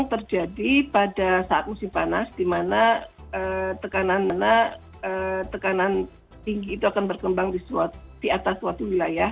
terjadi pada saat musim panas di mana tekanan tinggi itu akan berkembang di atas suatu wilayah